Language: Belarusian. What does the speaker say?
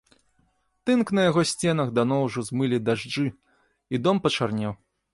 Тынк на яго сценах даўно ўжо змылі дажджы, і дом пачарнеў.